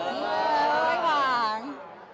อ๋อห้วยขวาง